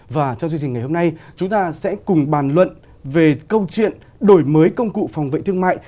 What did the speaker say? và trong chương trình ngày hôm nay chúng ta sẽ cùng bàn luận về câu chuyện đổi mới công cụ phòng vệ thương mại